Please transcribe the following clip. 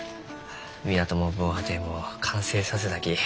港も防波堤も完成させたき。